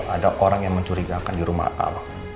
ada orang yang mencurigakan di rumah allah